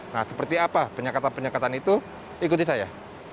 nah seperti apa penyekatan penyekatan itu ikuti saya